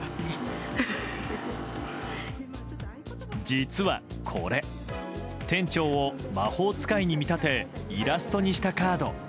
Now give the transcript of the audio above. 実は、これ店長を魔法使いに見立てイラストにしたカード。